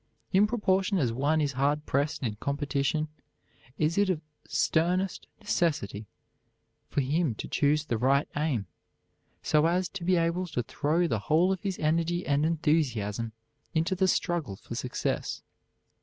In proportion as one is hard pressed in competition is it of the sternest necessity for him to choose the right aim, so as to be able to throw the whole of his energy and enthusiasm into the struggle for success.